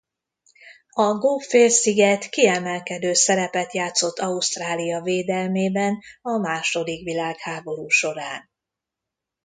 A Gove-félsziget kiemelkedő szerepet játszott Ausztrália védelmében a második világháború során.